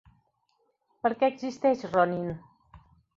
Per què existeix Ronin?